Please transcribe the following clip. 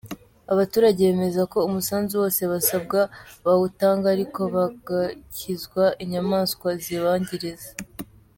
Abaturage bemeza ko umusanzu wose basabwa bawutanga ariko bagakizwa inyamaswa zibangiriza.